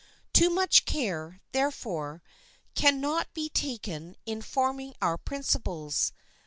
Too much care, therefore, can not be taken in forming our principles.